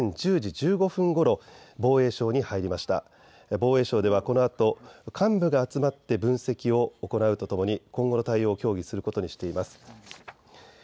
防衛省ではこのあと幹部が集まって分析を行うとともに今後の対応を協議することにしています。